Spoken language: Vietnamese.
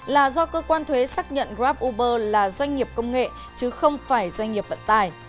là do cơ quan thuế xác nhận grab uber là doanh nghiệp công nghệ chứ không phải doanh nghiệp vận tải